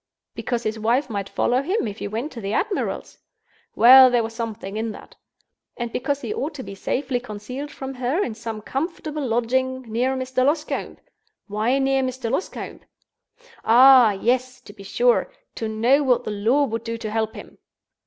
Because his wife might follow him, if he went to the admiral's? Well, there was something in that. And because he ought to be safely concealed from her, in some comfortable lodging, near Mr. Loscombe? Why near Mr. Loscombe? Ah, yes, to be sure—to know what the law would do to help him.